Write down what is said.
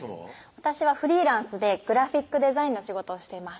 私はフリーランスでグラフィックデザインの仕事をしています